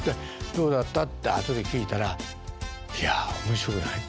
「どうだった？」って後で聞いたら「いや面白くない」と。